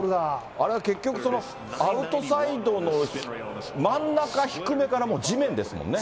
あれは結局、アウトサイドの真ん中低めから地面ですもんね。